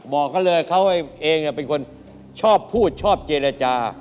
บอกเขาเลยเขาเองเป็นคนชอบพูดชอบเจรจา